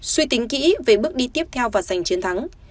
suy tính kỹ về bước đi tiếp theo và giành chiến thắng